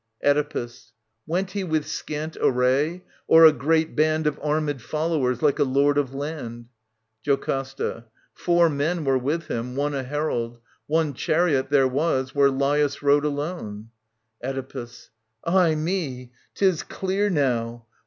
Oedipus. Went he with scant array, or a great band Of arm^d followers, like a lord of land ? JOCASTA. Four men were with him, one a herald ; one Chariot there was, where Lalus rode alone. Oedipus. Aye me ! Tis clear now.